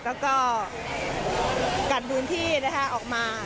แล้วก็กัดพื้นที่นะคะออกมา